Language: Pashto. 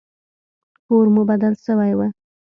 کور مو بدل سوى و.